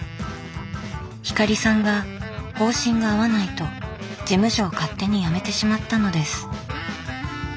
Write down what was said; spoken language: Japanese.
光さんが方針が合わないと事務所を勝手に辞めてしまったのです。